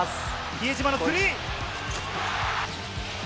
比江島のスリー。